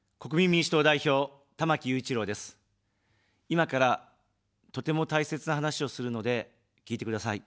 今から、とても大切な話をするので聞いてください。